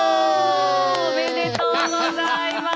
おおめでとうございます。